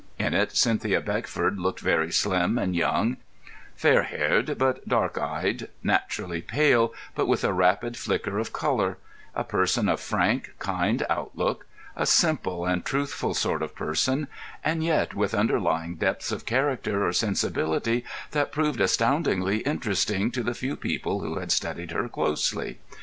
In it Cynthia Beckford looked very slim and young; fair haired, but dark eyed, naturally pale, but with a rapid flicker of colour; a person of frank, kind outlook, a simple and truthful sort of person, and yet with underlying depths of character or sensibility that proved astoundingly interesting to the few people who had studied her closely.